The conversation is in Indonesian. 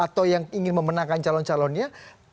atau yang ingin memenangkan calon calonnya